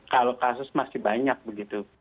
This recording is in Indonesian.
kalau kasus masih banyak begitu